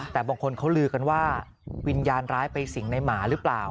แต่บางคนเขาลือกันว่าวิญญาณร้ายไปสิงในหมาหรือเปล่า